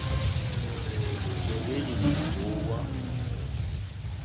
Ò hwélì lìkòówá.